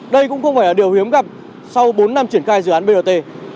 đây cũng không phải là điều hiếm gặp sau bốn năm triển khai dự án bot